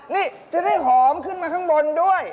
นี่จะได้หอมขึ้นมาข้างบนด้วย